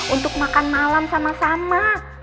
untuk makan malam sama sama